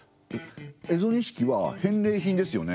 蝦夷錦は返礼品ですよね？